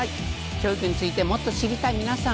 教育についてもっと知りたい皆さん。